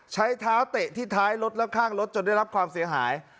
ใช้เท้าเตะที่ท้ายรถแล้วข้างรถจนได้รับความเสียหาย